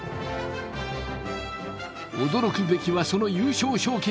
驚くべきはその優勝賞金。